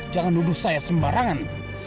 jangan nuduh saya sembarangan